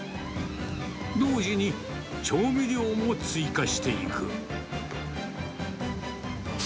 同時に調味料も追加していく。